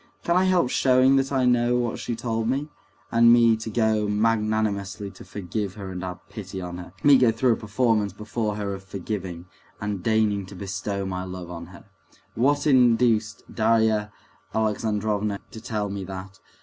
Can I help showing that I know what she told me? And me to go magnanimously to forgive her, and have pity on her! Me go through a performance before her of forgiving, and deigning to bestow my love on her!... What induced Darya Alexandrovna to tell me that?